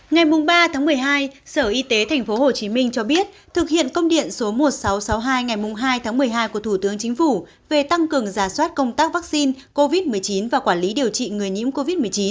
ngày ba một mươi hai sở y tế tp hcm cho biết thực hiện công điện số một nghìn sáu trăm sáu mươi hai ngày hai tháng một mươi hai của thủ tướng chính phủ về tăng cường giả soát công tác vaccine covid một mươi chín và quản lý điều trị người nhiễm covid một mươi chín